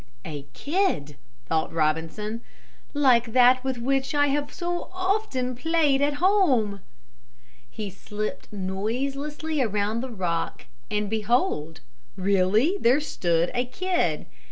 "A kid," thought Robinson, "like that with which I have so often played at home." He slipped noiselessly around the rock and behold, really there stood a kid.